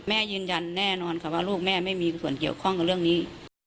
ยืนยันแน่นอนค่ะว่าลูกแม่ไม่มีส่วนเกี่ยวข้องกับเรื่องนี้